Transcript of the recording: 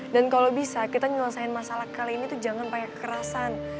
dan kalau bisa kita nyelesain masalah kali ini tuh jangan pakai kekerasan